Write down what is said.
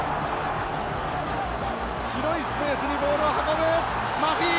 広いスペースにボールを運ぶマフィー。